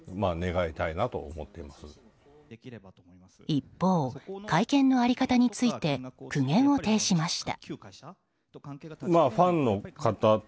一方、会見の在り方について苦言を呈しました。